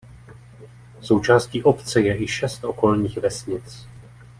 Součástí obce je i šest okolních vesnic.